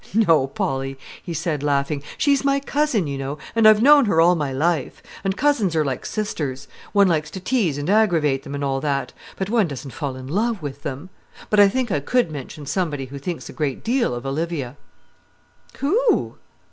"No, Polly," he said, laughing; "she's my cousin, you know, and I've known her all my life; and cousins are like sisters. One likes to tease and aggravate them, and all that; but one doesn't fall in love with them. But I think I could mention somebody who thinks a great deal of Olivia." "Who?"